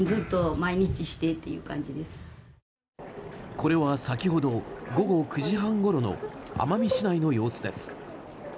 これは先ほど午後９時半ごろの奄美市内の様子です。